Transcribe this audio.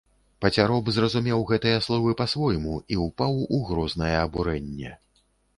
Пацяроб зразумеў гэтыя словы па-свойму і ўпаў у грознае абурэнне.